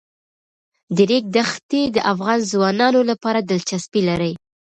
د ریګ دښتې د افغان ځوانانو لپاره دلچسپي لري.